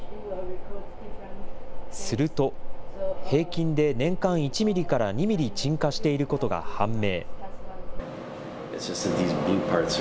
すると、平均で年間１ミリから２ミリ沈下していることが判明。